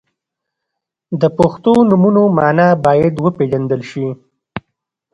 • د پښتو نومونو مانا باید وپیژندل شي.